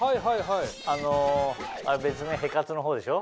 あの別名ヘ活の方でしょ。